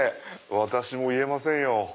私も言えませんよ。